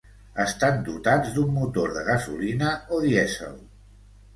Estan dotats d'un motor de gasolina o dièsel.